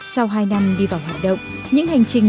sau hai năm đi vào hoạt động những hành trình